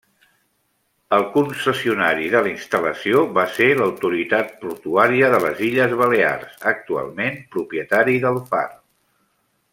El concessionari d'instal·lació va ser l'autoritat portuària de les Illes Balears, actualment propietari del far.